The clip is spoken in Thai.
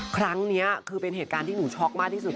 ครั้งนี้คือเป็นเหตุการณ์ที่หนูช็อกมากที่สุด